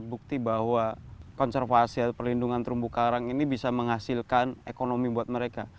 bukti bahwa konservasi atau perlindungan terumbu karang ini bisa menghasilkan ekonomi buat mereka